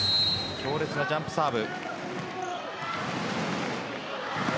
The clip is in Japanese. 強烈なジャンプサーブ。